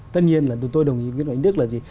tất nhiên là tôi đồng ý với anh đức là gì